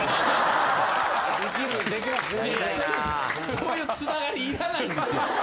そういうつながりいらないんですよ。